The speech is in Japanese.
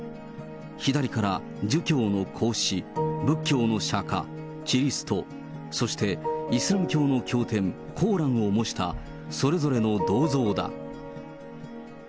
左から儒教の孔子、仏教の釈迦、キリスト、そしてイスラム教の経典、コーランを模した、それぞれの銅像だ。